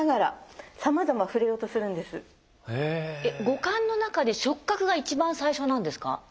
五感の中で触覚が一番最初なんですか？